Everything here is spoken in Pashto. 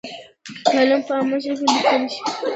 کالم په عامه ژبه لیکلی شي.